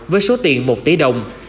với số tiền một tỷ đồng